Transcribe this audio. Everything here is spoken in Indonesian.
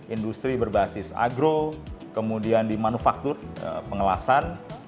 industri berbasis agro kemudian di manufaktur pengelasan